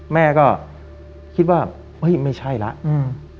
แม่ก็คิดว่าไม่ใช่แล้ว